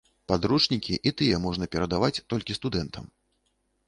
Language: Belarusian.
Падручнікі, і тыя можна перадаваць толькі студэнтам.